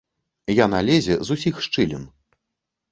Яна лезе з усіх шчылін.